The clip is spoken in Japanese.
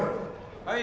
はい！